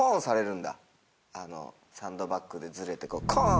サンドバッグでずれてコン！